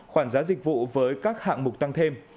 khoản giá dịch vụ với các hạng mục tăng thêm